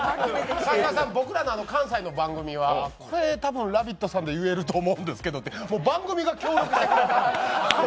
僕らの関西の番組は、これ、「ラヴィット！」さんで言えると思うんですけど番組が協力してくれてる。